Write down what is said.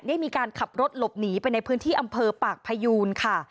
ได้มีการขับรถหลบหนีไปในพื้นที่อำเภอปากพยูนค่ะ